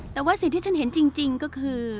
แต่ว่าสิ่งที่ฉันเห็นจริงก็คือ